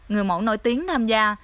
người mẫu nổi tiếng tham gia